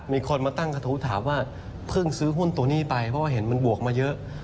มีคนมาตั้งกระทู้ถามว่าเพิ่งซื้อหุ้นตัวนี้ไปเพราะว่าเห็นมันบวกมาเยอะ